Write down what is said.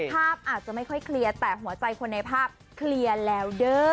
อาจจะไม่ค่อยเคลียร์แต่หัวใจคนในภาพเคลียร์แล้วเด้อ